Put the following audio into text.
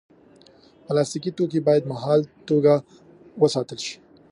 پلاستيکي توکي باید مهاله توګه وساتل شي.